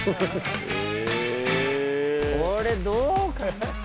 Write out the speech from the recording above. これどうかな？